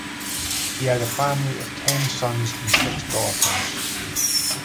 He had a family of ten sons and six daughters.